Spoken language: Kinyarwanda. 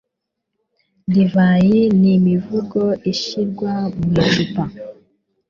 Divayi ni imivugo ishyirwa mu icupa.